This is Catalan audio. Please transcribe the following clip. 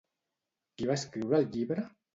Qui va escriure el llibre?